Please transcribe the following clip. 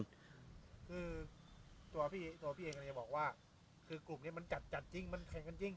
คือตัวพี่ตัวพี่เองก็เลยบอกว่าคือกลุ่มนี้มันจัดจัดจริงมันแข่งกันจริง